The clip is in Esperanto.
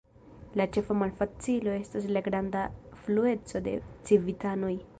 La ĉefa malfacilo estas la granda flueco de civitanoj.